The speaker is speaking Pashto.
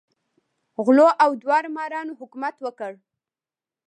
غلو او داړه مارانو حکومت وکړ.